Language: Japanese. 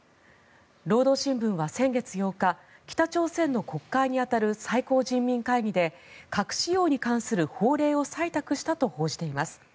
労働新聞は先月８日北朝鮮の国会に当たる最高人民会議で核使用に関する法令を採択したと報じています。